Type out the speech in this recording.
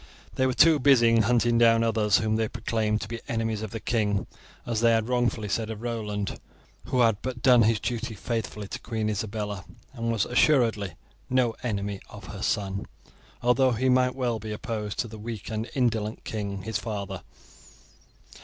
They were too busy in hunting down others whom they proclaimed to be enemies of the king, as they had wrongfully said of Roland, who had but done his duty faithfully to Queen Isabella, and was assuredly no enemy of her son, although he might well be opposed to the weak and indolent king, his father.